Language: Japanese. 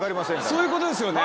そういうことですよね。